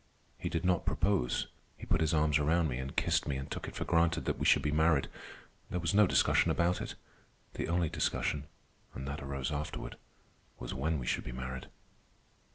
He did not propose. He put his arms around me and kissed me and took it for granted that we should be married. There was no discussion about it. The only discussion—and that arose afterward—was when we should be married.